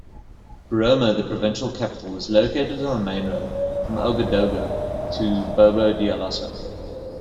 Boromo, the provincial capital, is located on the main road from Ouagadougou to Bobo-Dioulasso.